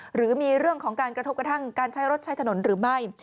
หรือมีเรื่องของการกระทบกระทั่งการใช้รถใช้ถนนหรือไม่